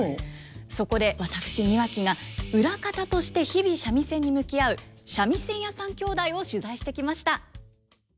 そこで私庭木が裏方として日々三味線に向き合う三味線屋さん兄弟を取材してきました。